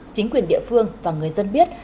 chính quyền địa phương và người dân biết